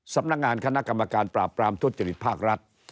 สำนักงานคณะกรรมการปราบปรามทุจริตภาครัฐ